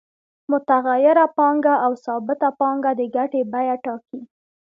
متغیره پانګه او ثابته پانګه د ګټې بیه ټاکي